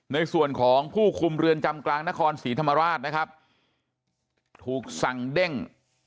ในส่วนของผู้คุมเรือนจำกลางนครศรีธรรมราชนะครับถูกสั่งเด้ง